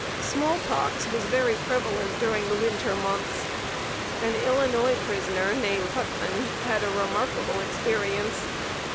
Small pox was very prevalent during the winter months. An Illinois prisoner, named Putman, had a remarkable experience.